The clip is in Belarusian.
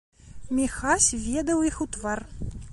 Міхась ведаў іх у твар.